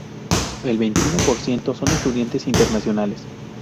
El veintiuno por ciento son estudiantes internacionales.